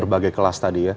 berbagai kelas tadi ya